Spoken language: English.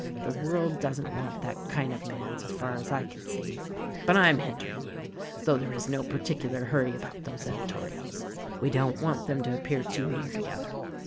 The world doesn't want that kind of man, so far as I can see. "But, I am hindering you— though there is no particular hurry about those editorials. We don't want them to appear too near together.